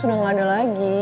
udah gak ada lagi